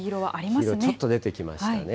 ちょっと出てきましたね。